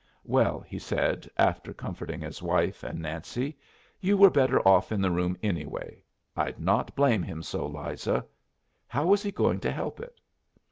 "Well," he said, after comforting his wife and Nancy, "you were better off in the room, anyway. I'd not blame him so, Liza. How was he going to help it?"